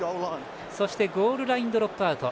そしてゴールラインドロップアウト。